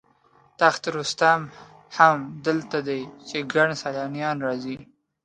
تخت رستم هم دلته دی چې ګڼ سیلانیان راځي.